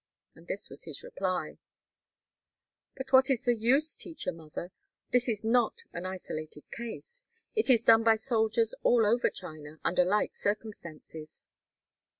And this was his reply, "But what is the use, Teacher Mother? This is not an isolated case. It is done by the soldiers all over China, under like circumstances!"